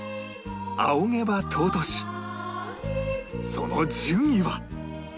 その順位は？